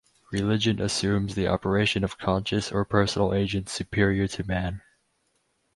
Religion assumes the operation of conscious or personal agents superior to man.